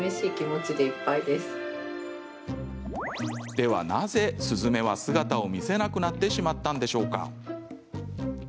では、なぜスズメは姿を見せなくなってしまったのでしょうか？